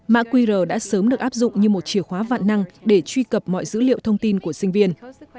mã qr đã sớm được áp dụng như một chìa khóa vạn năng để truy cập mọi dữ liệu thông tin của sinh viên